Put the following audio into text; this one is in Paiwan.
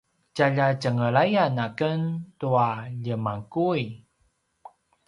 tjalja tjenglayan aken tua ljemanguy